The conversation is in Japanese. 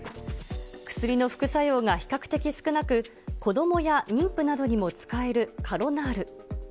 薬の副作用が比較的少なく、子どもや妊婦などにも使えるカロナール。